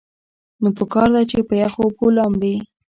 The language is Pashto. نو پکار ده چې پۀ يخو اوبو لامبي -